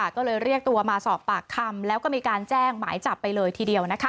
ก็เลยเรียกตัวมาสอบปากคำแล้วก็มีการแจ้งหมายจับไปเลยทีเดียว